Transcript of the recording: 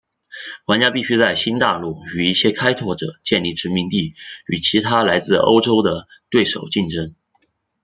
玩家必须在新大陆与一些开拓者建立殖民地与其他来自欧洲的对手竞争。